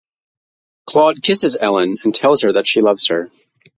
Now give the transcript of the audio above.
Claude kisses Ellen and tells her that she loves her.